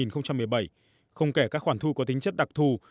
không kể các khoản thu có tính chất đặc thù